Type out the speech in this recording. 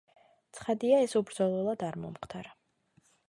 ცხადია, ეს უბრძოლველად არ მომხდარა.